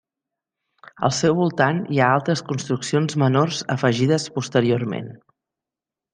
Al seu voltant hi ha altres construccions menors afegides posteriorment.